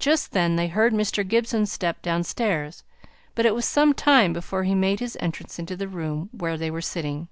Just then they heard Mr. Gibson's step downstairs. But it was some time before he made his entrance into the room where they were sitting.